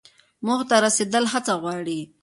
موخو ته رسیدل هڅه غواړي.